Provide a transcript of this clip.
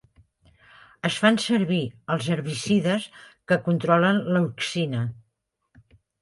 Es fan servir els herbicides que controlen l'auxina.